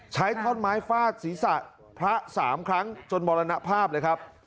ท่อนไม้ฟาดศีรษะพระ๓ครั้งจนมรณภาพเลยครับ